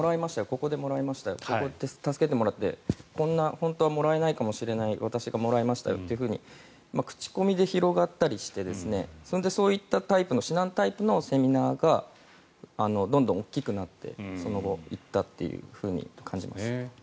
ここでもらいました助けてもらって、本当はもらえないかもしれない私がもらえましたよと口コミで広がったりしてそれでそういったタイプの指南タイプのセミナーがどんどん大きくなっていったと感じます。